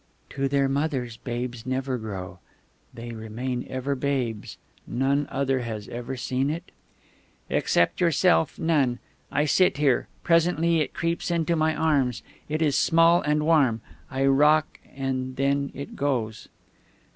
"To their mothers babes never grow. They remain ever babes.... None other has ever seen it?" "Except yourself, none. I sit here; presently it creeps into my arms; it is small and warm; I rock, and then... it goes."